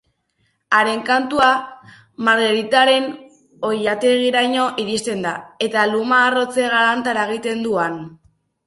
Haren kantua Margheritaren oilategiraino iristen da eta luma-harrotze galanta eragiten du han.